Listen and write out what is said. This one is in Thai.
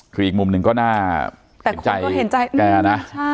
คืออีกมุมหนึ่งก็น่าเห็นใจแกนะ